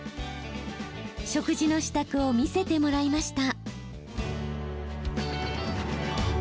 食事の支度を見せてもらいました。